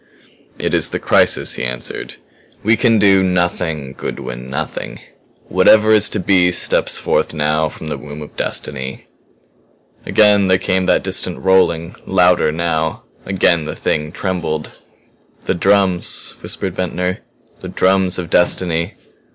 "It is the crisis," he answered. "We can do nothing, Goodwin nothing. Whatever is to be steps forth now from the womb of Destiny." Again there came that distant rolling louder, now. Again the Thing trembled. "The drums," whispered Ventnor. "The drums of destiny.